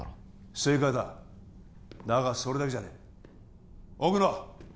正解だだがそれだけじゃねえ奥野！